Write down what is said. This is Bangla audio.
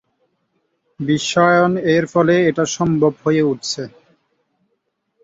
বিশ্বায়ন এর ফলেই এটা সম্ভব হয়ে উঠছে।